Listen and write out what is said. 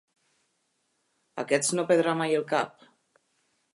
Aquests no perdran mai el cap.